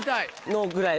のぐらい